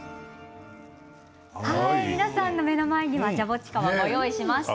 皆さんの目の前にジャボチカバ、ご用意しました。